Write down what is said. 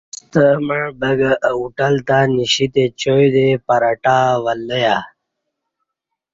ستمع بگہ اہ ہوٹل تہ نیشیتہ چائ دے پراٹہ ولہ یا